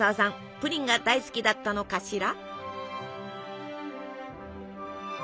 プリンが大好きだったのかしら？